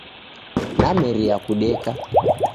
Nameria kudeka.